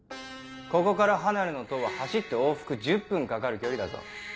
ここから離れの塔は走って往復１０分かかる距離だぞ。